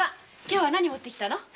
今日は何持って来たの？